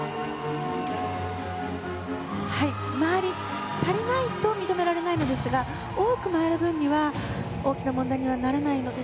回りが足らないと認められないんですが多く回る分には大きな問題にならないので。